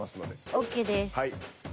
ＯＫです。